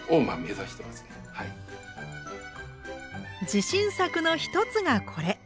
自信作の一つがこれ。